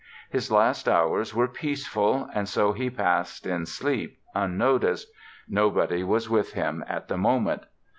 His last hours were peaceful and so he passed in sleep, unnoticed—nobody was with him at the moment.